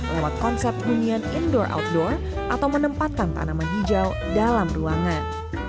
lewat konsep hunian indoor outdoor atau menempatkan tanaman hijau dalam ruangan